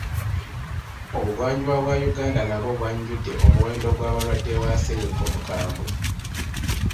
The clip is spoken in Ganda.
Obugwanjuba bwa Uganda nabwo bwanjudde omuwendo gw'abalwadde ba ssennyiga omukambwe.